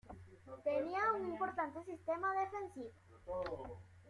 Tenía un importante sistema defensivo.